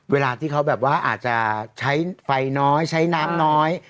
เวลาที่เขาแบบว่าอาจจะใช้ไฟน้อยใช้น้ำน้อย